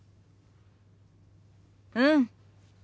うん。